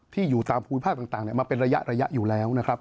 ที่อยู่ตราไนภาพต่างมาเป็นระยะอยู่แล้ว